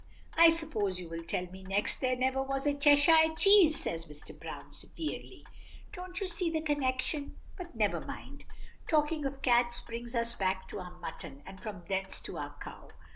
"I suppose you will tell me next there never was a Cheshire cheese," says Mr. Browne severely. "Don't you see the connection? But never mind. Talking of cats brings us back to our mutton, and from thence to our cow.